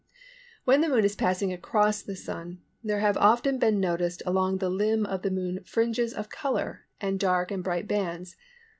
When the Moon is passing across the Sun there have often been noticed along the limb of the Moon fringes of colour, and dark and bright bands.